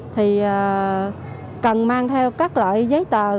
thì cần mang theo các loại giấy tập trung